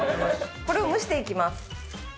これを蒸していきます。